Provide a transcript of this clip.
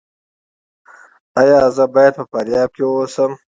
ایا زه باید په فاریاب کې اوسم؟